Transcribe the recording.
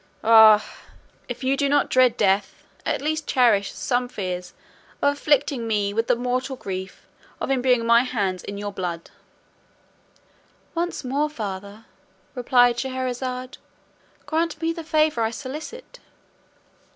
Ah! if you do not dread death, at least cherish some fears of afflicting me with the mortal grief of imbuing my hands in your blood." "Once more father," replied Scheherazade, "grant me the favour I solicit."